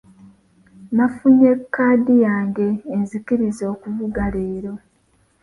Nafunye kaadi yange enzikiriza okuvuga leero.